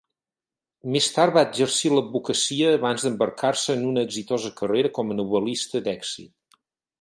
Més tard va exercir l'advocacia abans d'embarcar-se en una exitosa carrera com a novel·lista d'èxit.